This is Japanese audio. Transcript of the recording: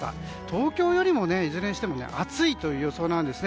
東京よりも、いずれにしても暑いという予想なんです。